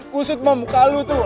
kusut mah muka lu tuh